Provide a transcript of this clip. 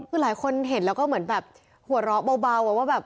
คือหลายคนเห็นแล้วก็เหมือนแบบหัวเราะเบาว่าแบบ